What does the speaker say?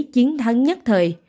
chiến thắng nhất thời